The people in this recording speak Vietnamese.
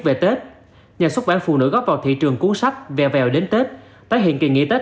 về tết nhà xuất bản phụ nữ góp vào thị trường cuốn sách vè vèo đến tết tái hiện kỳ nghỉ tết